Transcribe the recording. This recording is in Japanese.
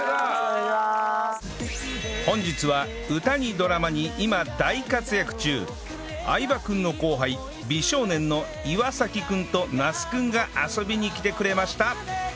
本日は歌にドラマに今大活躍中相葉君の後輩美少年の岩君と那須君が遊びに来てくれました